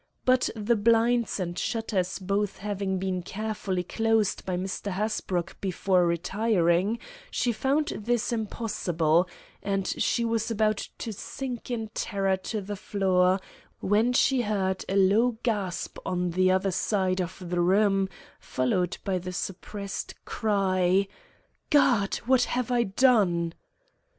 But the blinds and shutters both having been carefully closed by Mr. Hasbrouck before retiring, she found this impossible, and she was about to sink in terror to the floor, when she heard a low gasp on the other side of the room, followed by the suppressed cry: "God! what have I done!"